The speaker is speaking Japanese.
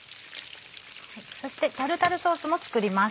そしてタルタルソースも作ります。